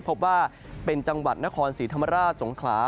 พบว่าเป็นจังหวัดนครศรีธรรมราชสงขลา